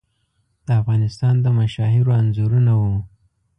د افغانستان د مشاهیرو انځورونه وو.